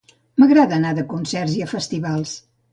M'agrada anar de concert i a festivals